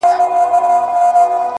له بل وي ورکه د مرګي چاره -